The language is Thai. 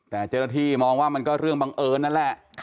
แต่เจ้าหน้าที่มองว่ามันก็เรื่องบังเอิญนั่นแหละ